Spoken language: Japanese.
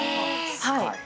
はい。